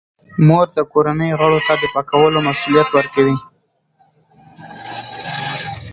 مور د کورنۍ غړو ته د پاکولو مسوولیت ورکوي.